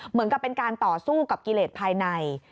เหมือนกับเป็นการต่อสู้กับกิเลสภายใน